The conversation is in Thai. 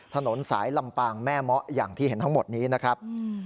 ถนนสายลำปางแม่เมาะอย่างที่เห็นทั้งหมดนี้นะครับ